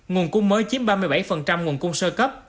nguồn cung mới chiếm ba mươi bảy nguồn cung sơ cấp